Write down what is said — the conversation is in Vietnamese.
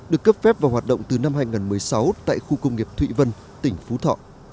được cấp phép và hoạt động từ năm hai nghìn một mươi sáu tại khu công nghiệp thụy vân tỉnh phú thọ